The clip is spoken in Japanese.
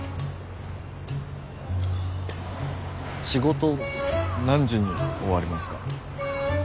仕事何時に終わりますか？